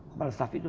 kepala staf itu